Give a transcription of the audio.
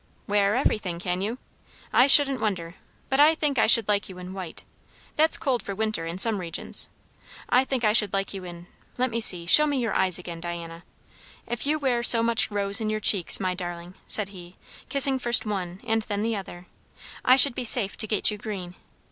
"Wear everything, can you? I shouldn't wonder! But I think I should like you in white. That's cold for winter in some regions. I think I should like you in let me see show me your eyes again, Diana. If you wear so much rose in your cheeks, my darling," said he, kissing first one and then the other, "I should be safe to get you green.